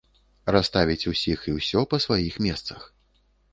Расставіць усіх і ўсё па сваіх месцах.